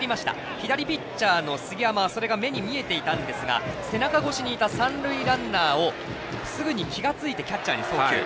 左ピッチャーの杉山はそれが目に見えていたんですが背中越しにいた三塁ランナーをすぐに気が付いてキャッチャーに送球。